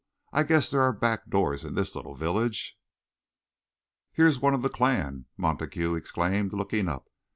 I guess there are back doors in this little village." "Here's one of the clan!" Montague exclaimed, looking up.